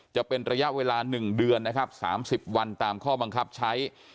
จะเป็นระยะเวลา๑เดือนนะครับ๓๐วันตามข้อบังคับใช้